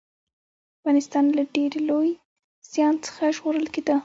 افغانستان له ډېر لوی زيان څخه ژغورل کېده